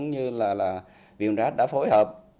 giống như là viên rác đã phối hợp